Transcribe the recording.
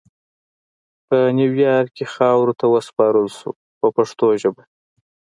په نیویارک کې خاورو ته وسپارل شو په پښتو ژبه.